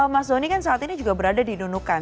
mas doni kan saat ini juga berada di nunukan